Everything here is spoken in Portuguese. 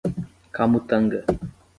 Camutanga